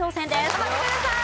頑張ってください！